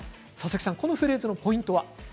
このフレーズのポイントは？